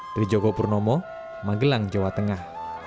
dari jogopurnomo magelang jawa tengah